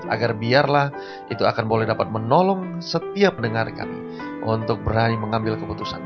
agar biarlah itu akan boleh dapat menolong setiap pendengar kami untuk berani mengambil keputusan